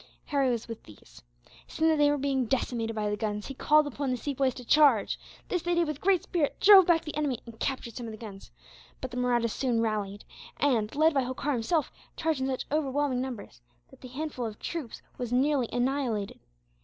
Harry was with these. Seeing that they were being decimated by the guns, he called upon the Sepoys to charge. This they did with great spirit, drove back the enemy, and captured some of the guns; but the Mahrattas soon rallied and, led by Holkar himself, charged in such overwhelming numbers that the handful of troops was nearly annihilated.